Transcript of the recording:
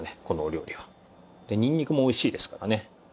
このお料理は。でにんにくもおいしいですからね。